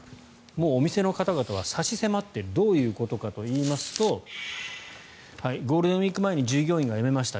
もうお店の方々は差し迫ってどういうことかといいますとゴールデンウィーク前に従業員が辞めました。